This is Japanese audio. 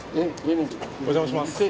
お邪魔します。